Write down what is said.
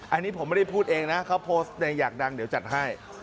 อันนี้ผมไม่ได้พูดเองนะเขาโพสต์เองอยากดังเดี๋ยวจัดให้